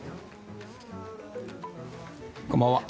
こんばんは。